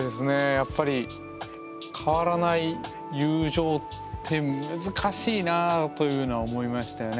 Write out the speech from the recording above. やっぱり変わらない友情って難しいなぁというのは思いましたよね。